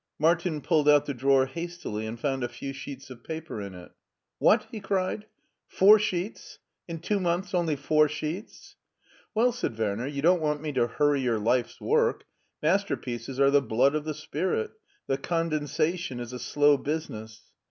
Martin pulled out the drawer hastily, and found a few sheets of paper in it " What! " he cried, " four sheets! In two months only four sheets !"" Well," said Werner, " you don't want me to hurry your life's work. Masterpieces are the blood of the spirit. The condensation is a slow business."